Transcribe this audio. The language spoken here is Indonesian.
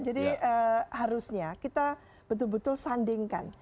jadi harusnya kita betul betul sandingkan